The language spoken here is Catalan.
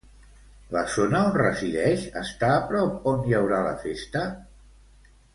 La zona on resideix està prop on hi haurà la festa?